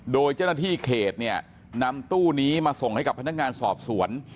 โดยเจ้าหน้าที่เขตเนี่ยนำตู้นี้มาส่งให้กับพนักงานสอบสวน